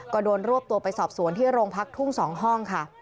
ก็โดนรวบตัวไปสอบสวนที่โรงพักทุ่ง๒ห้องค่ะ